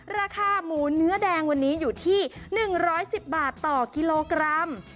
ราคาหมูเนื้อแดงวันนี้อยู่ที่๑๑๐บาทต่อกิโลกรัม